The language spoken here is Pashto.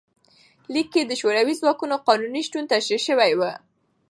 لیک کې د شوروي ځواکونو قانوني شتون تشریح شوی و.